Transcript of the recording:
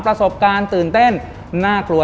ประสบการณ์ตื่นเต้นน่ากลัว